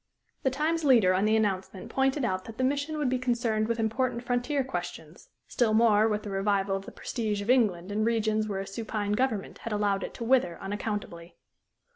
The Times leader on the announcement pointed out that the mission would be concerned with important frontier questions, still more with the revival of the prestige of England in regions where a supine government had allowed it to wither unaccountably.